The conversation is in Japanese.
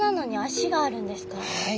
はい。